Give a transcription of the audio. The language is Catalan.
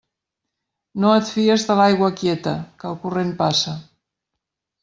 No et fies de l'aigua quieta, que el corrent passa.